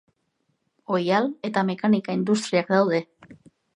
Oihal eta mekanika industriak daude.